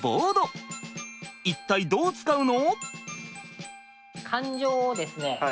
一体どう使うの？